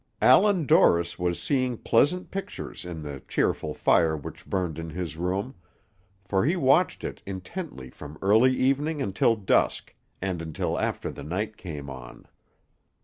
Allan Dorris was seeing pleasant pictures in the cheerful fire which burned in his room, for he watched it intently from early evening until dusk, and until after the night came on.